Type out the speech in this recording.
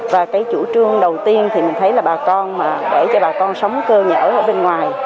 và cái chủ trương đầu tiên thì mình thấy là bà con mà để cho bà con sống cơ nhở ở bên ngoài